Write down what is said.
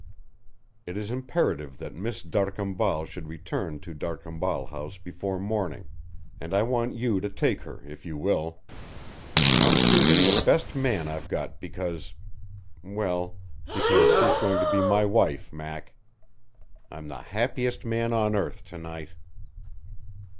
It is imperative that Miss d'Arcambal should return to D'Arcambal House before morning, and I want you to take her, if you will. I'm choosing the best man I've got because well, because she's going to be my wife, Mac. I'm the happiest man on earth to night!"